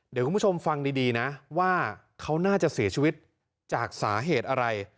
เดี๋ยวคุณผู้ชมฟังดีนะว่าเขาน่าจะเสียชีวิตจากสาเหตุอะไร